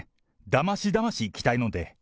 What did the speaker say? だましだましいきたいので。